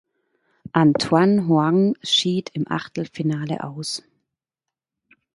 Antoine Hoang und schied im Achtelfinale aus.